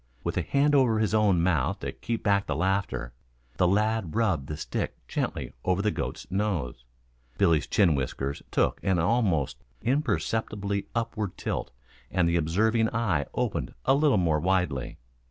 With a hand over his own mouth to keep back the laughter, the lad rubbed the stick gently over the goat's nose. Billy's chin whiskers took an almost imperceptible upward tilt and the observing eye opened a little more widely.